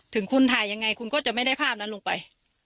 ถึงคุณถ่ายยังไงคุณก็จะไม่ได้ภาพนั้นลงไป